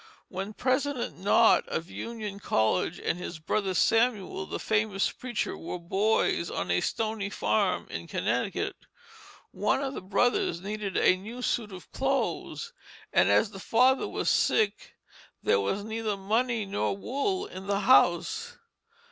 When President Nott of Union College, and his brother Samuel, the famous preacher, were boys on a stony farm in Connecticut, one of the brothers needed a new suit of clothes, and as the father was sick there was neither money nor wool in the house.